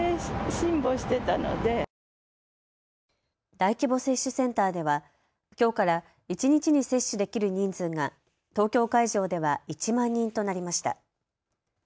大規模接種センターではきょうから一日に接種できる人数が東京会場では１万人となりました。